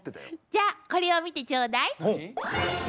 じゃあこれを見てちょうだい。